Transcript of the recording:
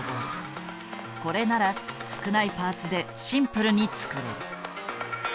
これなら少ないパーツでシンプルに作れる。